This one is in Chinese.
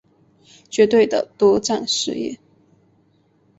绝对的独占事业